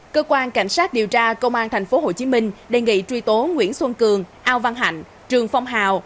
cơ quan cảnh sát điều tra công an tp hcm đề nghị truy tố nguyễn xuân cường ao văn hạnh trường phong hào